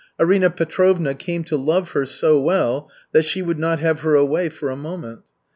Arina Petrovna came to love her so well that she would not have her away for a moment.